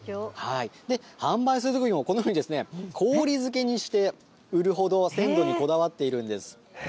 販売するときも、こんなふうに、氷漬けにして売るほど、鮮度にこだわっているんです。